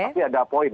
tapi ada poin